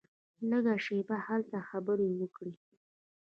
لږه شېبه هلته خبرې وکړې.